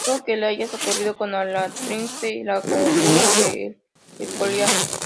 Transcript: Algo que ya les había ocurrido con Alatriste y La conjura de El Escorial.